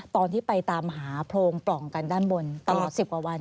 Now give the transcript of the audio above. ตอนที่ไปตามหาโพรงปล่องกันด้านบนตลอด๑๐กว่าวัน